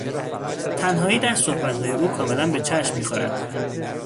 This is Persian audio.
تنهایی در صحبتهای او کاملا به چشم میخورد.